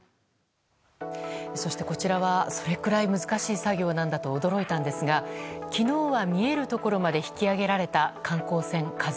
そして、こちらはそれくらい難しい作業なんだと驚いたんですが昨日は見えるところまで引き揚げられた観光船「ＫＡＺＵ１」。